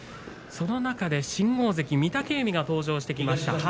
その中で新大関の御嶽海が登場してきました。